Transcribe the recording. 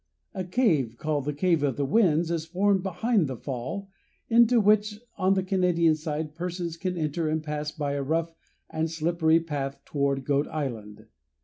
A cave, called the Cave of the Winds, is formed behind the fall, into which, on the Canadian side, persons can enter and pass by a rough and slippery path toward Goat Island.